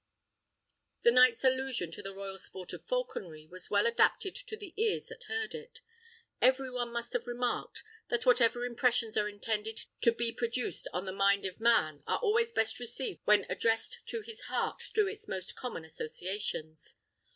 The knight's allusion to the royal sport of falconry was well adapted to the ears that heard it. Every one must have remarked, that whatever impressions are intended to be produced on the mind of man are always best received when addressed to his heart through its most common associations.